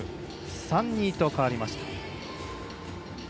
３−２と変わりました。